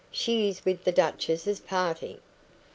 She is with the duchess's party."